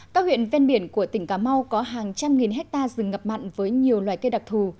các huyện ven biển của tỉnh cà mau có hàng trăm nghìn hectare rừng ngập mặn với nhiều loài cây đặc thù